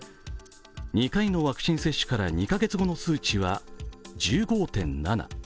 ２回のワクチン接種から２カ月後の数値は１５．７。